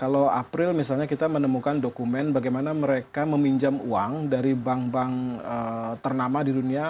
kalau april misalnya kita menemukan dokumen bagaimana mereka meminjam uang dari bank bank ternama di dunia